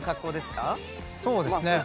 そうですね。